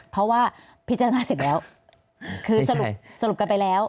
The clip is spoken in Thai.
เพราะว่าพิจารณาเสร็จแล้วคือสรุปกันไปแล้ว